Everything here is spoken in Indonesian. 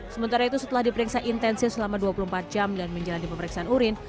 sementara itu setelah diperiksa intensif selama dua puluh empat jam dan menjalani pemeriksaan urin